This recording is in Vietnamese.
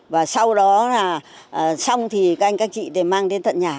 và sau đó là xong thì các anh các chị để mang đến tận nhà